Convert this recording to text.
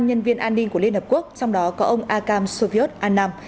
năm nhân viên an ninh của liên hợp quốc trong đó có ông akam sovyet annam